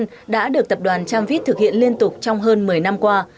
tập đoàn tramvit đã được tập đoàn tramvit thực hiện liên tục trong hơn một mươi năm qua